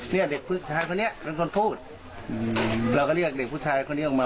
เนี่ยเด็กผู้ชายคนนี้เป็นคนพูดอืมเราก็เรียกเด็กผู้ชายคนนี้ออกมา